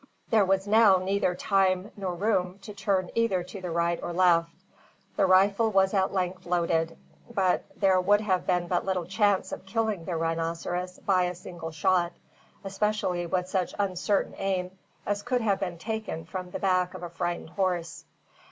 There was now neither time nor room to turn either to the right or left. The rifle was at length loaded, but there would have been but little chance of killing the rhinoceros by a single shot, especially with such uncertain aim as could have been taken from the back of a frightened horse.